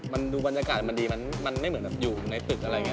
มันดูบรรยากาศมันดีมันไม่เหมือนแบบอยู่ในตึกอะไรอย่างนี้